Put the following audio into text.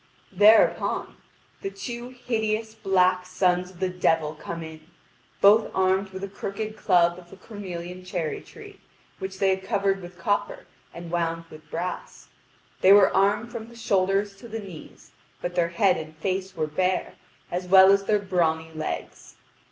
Thereupon, the two hideous, black sons of the devil come in, both armed with a crooked club of a cornelian cherry tree, which they had covered with copper and wound with brass. They were armed from the shoulders to the knees, but their head and face were bare, as well as their brawny legs.